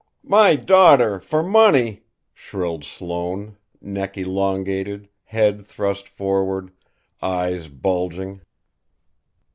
"My daughter! For money!" shrilled Sloane, neck elongated, head thrust forward, eyes bulging.